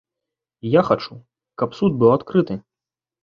І я хачу, каб суд быў адкрыты.